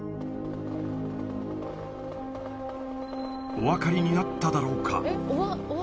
お分かりになっただろうか？